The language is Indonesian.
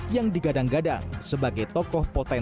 yang digadang gadang sebagai tokoh potensial